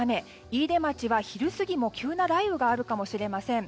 飯豊町は、昼過ぎも急な雷雨があるかもしれません。